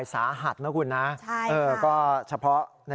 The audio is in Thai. ไปฟังกันนะ